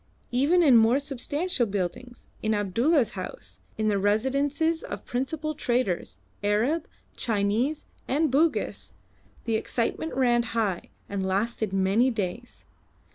Even in more substantial buildings, in Abdulla's house, in the residences of principal traders, Arab, Chinese, and Bugis, the excitement ran high, and lasted many days.